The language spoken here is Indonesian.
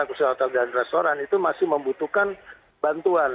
nah kursi hotel dan restoran itu masih membutuhkan bantuan